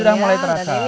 sudah mulai terasa